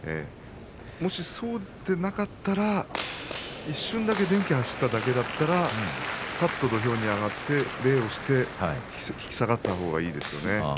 もしそうでなかったら一瞬だけ電気が走っただけだったらさっと土俵に上がって礼をして引き下がったほうがいいですね。